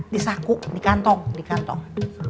disaku dikantong dikantong